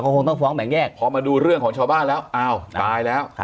คงต้องฟ้องแบ่งแยกพอมาดูเรื่องของชาวบ้านแล้วอ้าวตายแล้ว